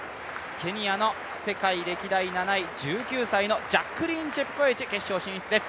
ケニアの世界歴代７位、１９歳のジャックリーン・チェプコエチ、決勝進出です。